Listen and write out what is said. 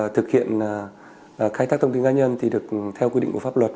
thực hiện khai thác thông tin cá nhân thì được theo quy định của pháp luật